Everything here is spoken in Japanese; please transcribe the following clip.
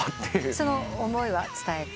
その思いは伝えて？